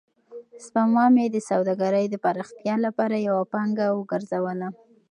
سپما مې د سوداګرۍ د پراختیا لپاره یوه پانګه وګرځوله.